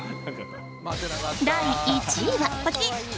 第１位は。